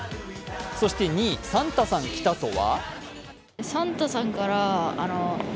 そして２位、サンタさん来たとは？